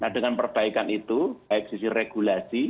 dengan perbaikan itu baik sisi regulasi